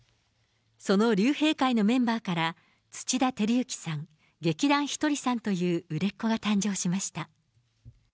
その竜兵会のメンバーから土田晃之さん、劇団ひとりさんという売れっ子が誕生しました。